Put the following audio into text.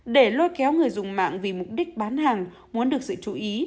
để lôi kéo người dùng mạng vì mục đích bán hàng muốn được sự chú ý